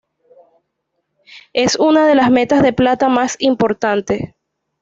Es una de las menas de plata más importante.